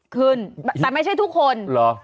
ขึ้นแต่ไม่ใช่ทุกคน